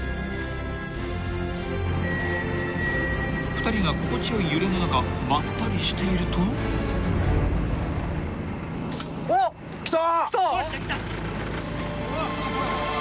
［２人が心地よい揺れの中まったりしていると］きた？